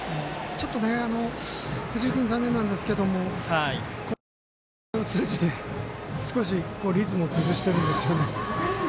ちょっと、藤井君残念なんですがこの大会を通じて少しリズムを崩してるんですよね。